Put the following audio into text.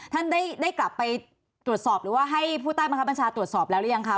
ท่านได้กลับไปตรวจสอบหรือว่าให้ผู้ใต้บังคับบัญชาตรวจสอบแล้วหรือยังคะ